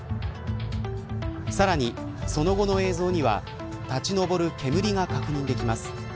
さらに、その後の映像には立ち上る煙が確認できます。